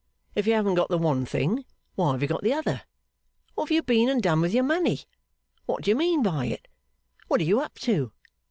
If you haven't got the one thing, why have you got the other? What have you been and done with your money? What do you mean by it? What are you up to?